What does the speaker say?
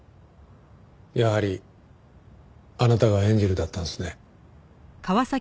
やはりあなたがエンジェルだったんですね。